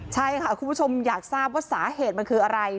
ใช่ค่ะคุณผู้ชมอยากทราบว่าสาเหตุมันคืออะไร